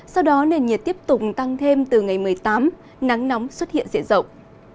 sau đó nền nhiệt tiếp tục tăng thêm từ ngày một mươi tám nắng nóng xuất hiện diện rộng